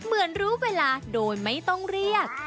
เหมือนรู้เวลาโดยไม่ต้องเรียก